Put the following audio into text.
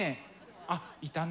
あっいたね